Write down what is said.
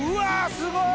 すごい！